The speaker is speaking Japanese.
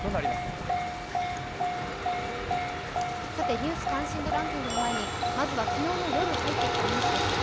「ニュース関心度ランキング」の前にまずは昨日の夜、入ってきたニュースです。